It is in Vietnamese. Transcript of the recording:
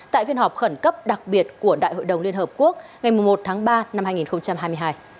tại phiên họp khẩn cấp đặc biệt của đại hội đồng liên hợp quốc ngày một tháng ba năm hai nghìn hai mươi hai